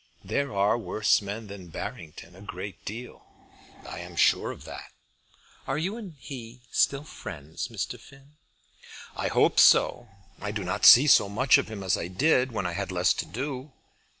There are worse men than Barrington a great deal." "I am sure of that." "Are you and he still friends, Mr. Finn?" "I hope so. I do not see so much of him as I did when I had less to do."